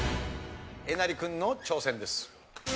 えなり君の挑戦です。